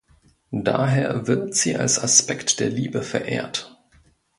Daher wird sie als Aspekt der Liebe verehrt.